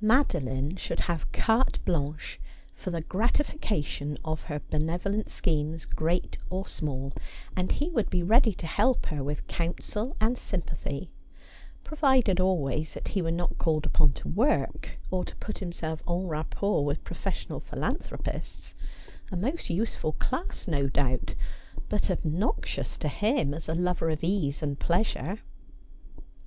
Madoline should have carte blanche for the gratification of her benevolent schemes, great or small, and he would be ready to help her with counsel and sympathy ; provided always that he were not called upon to work, or to put himself en rapport with professional philanthropists — a most useful class, no doubt, but obnoxious to him as a lover of ease and pleasure.